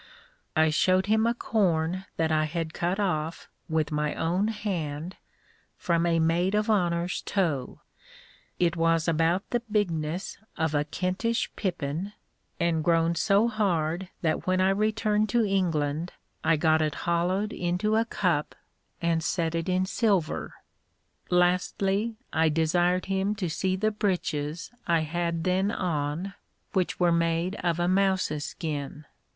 I showed him a corn that I had cut off, with my own hand, from a maid of honor's toe; it was about the bigness of a Kentish pippin, and grown so hard that when I returned to England I got it hollowed into a cup, and set it in silver. Lastly, I desired him to see the breeches I had then on, which were made of a mouse's skin.